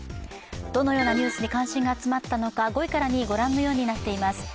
どのようなニュースに関心が集まったのか５位から２位、ご覧のようになっています。